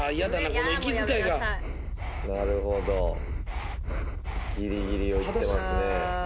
この息づかいがなるほどギリギリをいってますね